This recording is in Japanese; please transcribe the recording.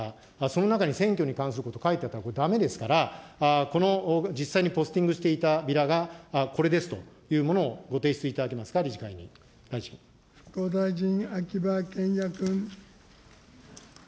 その中に選挙に関すること、書いてはこれ、だめですから、この実際にポスティングしていたビラがこれですというものをご提出いただけますか、理事会に、大臣。